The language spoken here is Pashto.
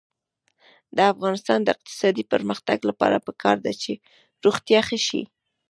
د افغانستان د اقتصادي پرمختګ لپاره پکار ده چې روغتیا ښه شي.